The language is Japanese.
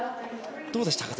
どうでしたか？